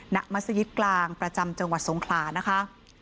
มัศยิตกลางประจำจังหวัดสงขลานะคะ